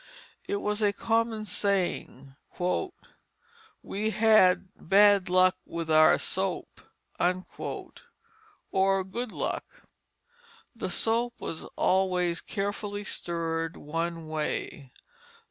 It was a common saying: "We had bad luck with our soap," or good luck. The soap was always carefully stirred one way.